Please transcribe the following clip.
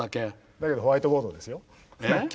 だけどホワイトボードですよ南極